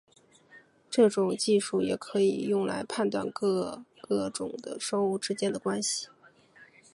这种技术也可以用来判断各个种的生物之间的关系。